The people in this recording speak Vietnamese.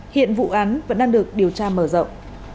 hiện vụ án vẫn đang được điều tra mở rộng